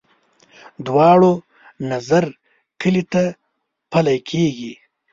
دواړو نظر کلي ته پلی کېږي.